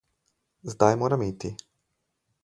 Zdaj moram iti.